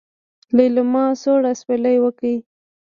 ليلما سوړ اسوېلی وکړ.